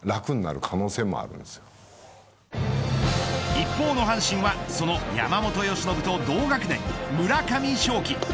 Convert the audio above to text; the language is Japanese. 一方の阪神はその山本由伸と同学年村上頌樹。